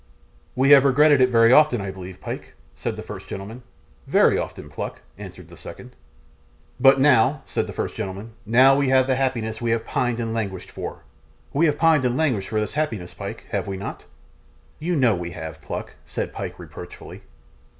'We have regretted it very often, I believe, Pyke?' said the first gentleman. 'Very often, Pluck,' answered the second. 'But now,' said the first gentleman, 'now we have the happiness we have pined and languished for. Have we pined and languished for this happiness, Pyke, or have we not?' 'You know we have, Pluck,' said Pyke, reproachfully.